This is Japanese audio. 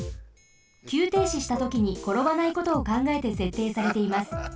きゅうていししたときにころばないことをかんがえてせっていされています。